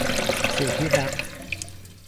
สื่อที่รัก